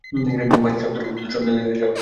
বাজি শব্দটি উর্দু শব্দ থেকে এসেছে যার অর্থ খেলা।